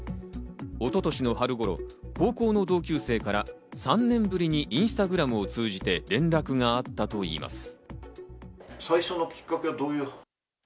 一昨年の春頃、高校の同級生から３年ぶりにインスタグラムを通じて連絡があったといいます。